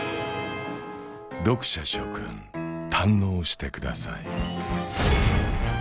読者諸君堪能してください